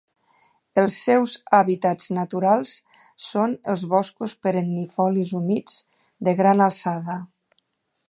Els seus hàbitats naturals són els boscos perennifolis humits de gran alçada.